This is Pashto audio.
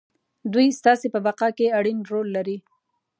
دوی ستاسې په بقا کې اړين رول لري.